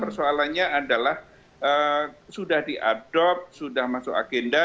persoalannya adalah sudah diadopt sudah masuk agenda